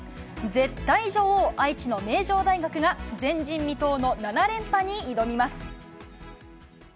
絶対女王、愛知の名城大学が、前人未到の７連覇に挑みます。